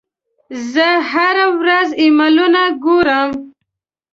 زه هره ورځ ایمیلونه ګورم.